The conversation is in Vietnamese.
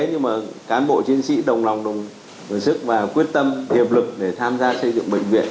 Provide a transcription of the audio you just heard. nhưng mà cán bộ chiến sĩ đồng lòng đồng sức và quyết tâm hiệp lực để tham gia xây dựng bệnh viện